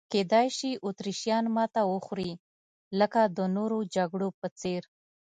کېدای شي اتریشیان ماته وخوري لکه د نورو جګړو په څېر.